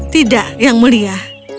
tidak yang mulia